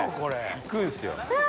「行くんですよ」